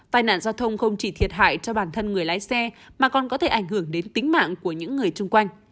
tai nạn giao thông không chỉ thiệt hại cho bản thân người lái xe mà còn có thể ảnh hưởng đến tính mạng của những người chung quanh